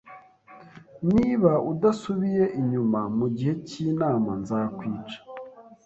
Niba udasubiye inyuma mugihe cyinama, nzakwica